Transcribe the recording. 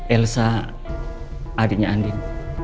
elsa adiknya andin